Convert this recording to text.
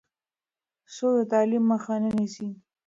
څوک د تعلیم مخه نیسي؟